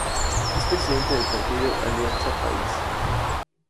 Es presidente del Partido Alianza País.